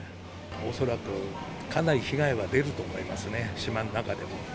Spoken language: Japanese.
恐らくかなり被害は出ると思いますね。